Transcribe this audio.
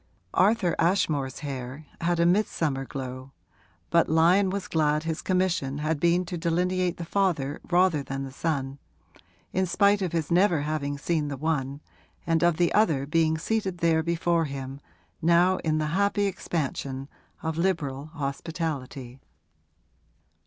Arthur Ashmore's hair had a midsummer glow, but Lyon was glad his commission had been to delineate the father rather than the son, in spite of his never having seen the one and of the other being seated there before him now in the happy expansion of liberal hospitality.